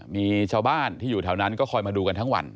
มีชาวบ้านที่อยู่แถวนั้นก็คอยมาดูกันทั้งวัน